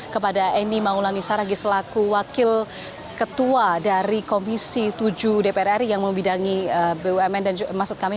kepada eni maulani saragi selaku wakil ketua dari komisi tujuh dpr ri yang membidangi bumn dan maksud kami